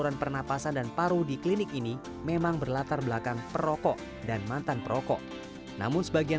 denganembah khusus berpasangan kami terima kasih